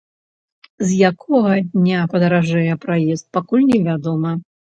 З якога дня падаражэе праезд, пакуль не вядома.